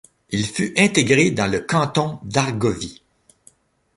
Il fut intégré dans le canton d'Argovie.